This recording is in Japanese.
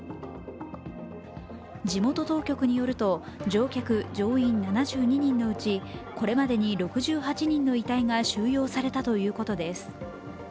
地元当局によると、乗員・乗客７２人のうち、これまでに６８人の遺体が収容されたということです。